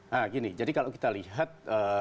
nah gini jadi kalau kita lihat